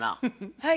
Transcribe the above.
はい。